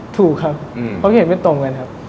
ถูกครับความคิดเห็นไม่ตรงกันครับ